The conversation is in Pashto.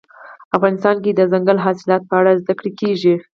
افغانستان کې د دځنګل حاصلات په اړه زده کړه کېږي.